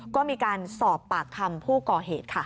ก็มีการสอบปากคำผู้ก่อเหตุค่ะ